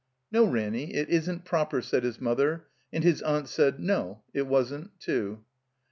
"No, Ranny, it isn't proper," said his mother; and his aunt said. No, it wasn't, too.